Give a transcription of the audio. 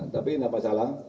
tapi tidak masalah